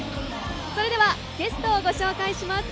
それでは、ゲストをご紹介します。